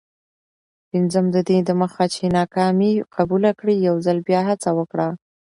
پنځم: ددې دمخه چي ناکامي قبوله کړې، یوځل بیا هڅه وکړه.